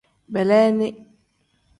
Beleeni.